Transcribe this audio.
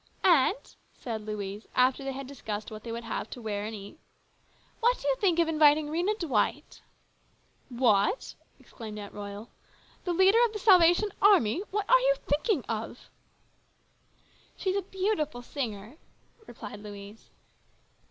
" Aunt," said Louise after they had discussed what they would have to wear and to eat, " what do you think of inviting Rhena Dwight ?"" What !" exclaimed Aunt Royal. " The leader of the Salvation Army? What are you thinking of?" A MEMORABLE NIGHT. 165 " She is a beautiful singer," replied Louise.